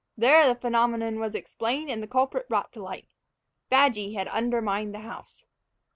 There the phenomenon was explained and the culprit brought to light. Badgy had undermined the house!